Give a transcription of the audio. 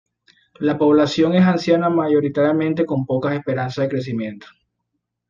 La población es anciana mayoritariamente con pocas esperanzas de crecimiento.